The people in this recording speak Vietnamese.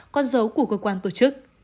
con dấu của cơ quan tổ chức